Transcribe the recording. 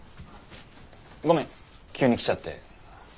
ごめん急に来ちゃって。